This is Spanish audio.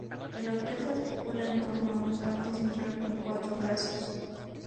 El hotel se articula en torno a un patio central con cuatro brazos.